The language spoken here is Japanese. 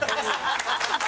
ハハハハ！